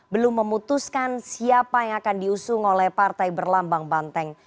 belum memutuskan siapa yang akan diusung oleh partai berlambang banteng